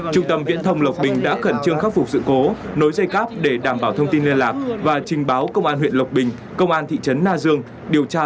trung tâm viễn thông lộc bình đã khẩn trương khắc phục sự cố